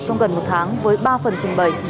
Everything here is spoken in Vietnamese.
trong gần một tháng với ba phần trình bày